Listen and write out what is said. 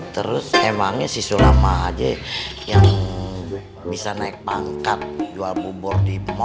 terus emangnya si sulama aja yang bisa naik pangkat jual bubur di mal